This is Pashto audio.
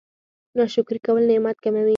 ناشکري کول نعمت کموي